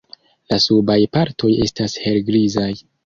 La subaj partoj estas helgrizaj.